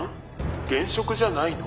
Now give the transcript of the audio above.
現職じゃないの？」